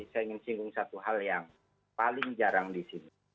saya ingin singgung satu hal yang paling jarang disimulkan